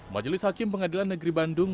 majelis hakim pengadilan negeri bandung